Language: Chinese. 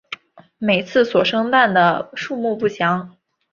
每次所生蛋的数目不详。